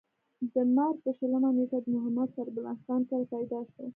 د مارچ پۀ شلمه نېټه د محمد سربلند خان کره پېدا شو ۔